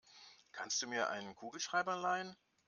Kannst du mir einen Kugelschreiber leihen?